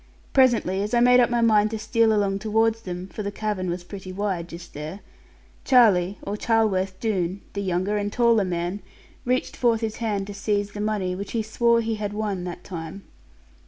Presently, as I made up my mind to steal along towards them (for the cavern was pretty wide, just there), Charlie, or Charleworth Doone, the younger and taller man, reached forth his hand to seize the money, which he swore he had won that time.